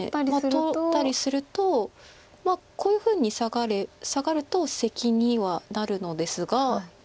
取ったりするとこういうふうにサガるとセキにはなるのですが。